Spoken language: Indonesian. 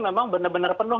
memang benar benar penuh